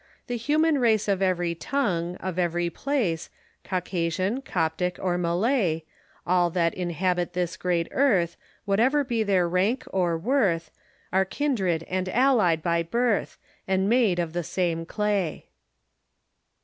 The human race Of every tongue, of every place, Caucasian, Coptic, or Malay, All that inhabit this great earth. Whatever be their rank or worth, Are kindred and allied by birth. And made of the same clay."